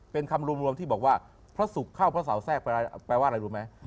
เป็นคำรวมที่บอกว่าพระศุกร์เข้าพระเสาแทรกแปลว่าอะไรรู้ไหม